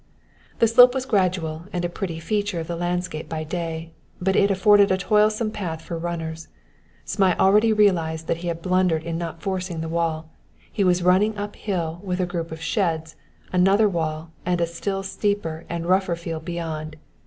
The slope was gradual and a pretty feature of the landscape by day; but it afforded a toilsome path for runners. Zmai already realized that he had blundered in not forcing the wall; he was running uphill, with a group of sheds, another wall, and a still steeper and rougher field beyond.